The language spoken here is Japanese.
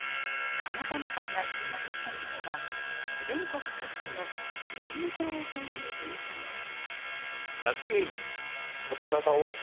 鎌谷さんが注目しているのは全国各地の「免定」という文献です。